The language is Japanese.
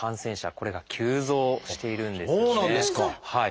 これが急増しているんですよね。